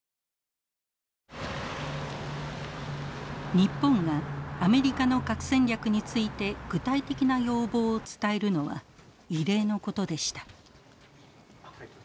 日本がアメリカの核戦略について具体的な要望を伝えるのは異例のことでした。